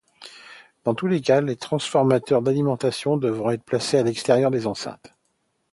Dans tous les cas, les transformateurs d’alimentation devront être placés à l’extérieur des enceintes.